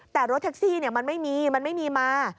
แต่รถแท็กซี่มันไม่มีมันไม่มีมา